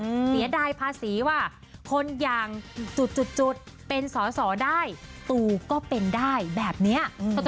เหลียดายภาษีว่าคนอย่างจุดเป็นสอได้ตูก็เป็นได้แบบนี้